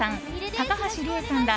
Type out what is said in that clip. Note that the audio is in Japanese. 高橋李依さんら